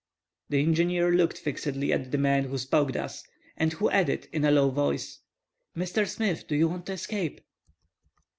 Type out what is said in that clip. The engineer looked fixedly at the man who spoke thus, and who added in a low voice:— "Mr. Smith, do you want to escape?"